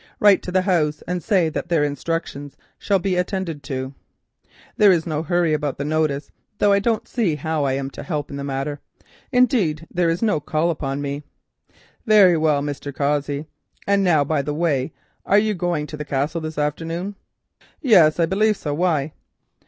"Write to the house and say that their instructions shall be attended to. There is no hurry about the notice, though I don't see how I am to help in the matter. Indeed there is no call upon me." "Very well, Mr. Cossey. And now, by the way, are you going to the Castle this afternoon?" "Yes, I believe so. Why?"